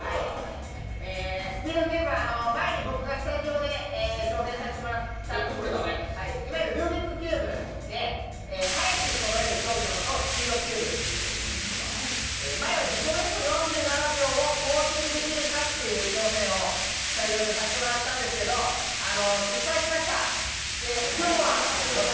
スピードキューブは前に僕がスタジオで挑戦させてもらった、いわゆるルービックキューブで、早くそろえる競技のことをスピードキューブというんですけど、前は自己ベスト４７秒を更新できるかという挑戦をスタジオでさせてもらったんですけど失敗しました。